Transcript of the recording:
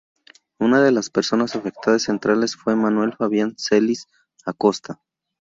Una de las personas afectadas centrales fue Manuel Fabián Celis-Acosta.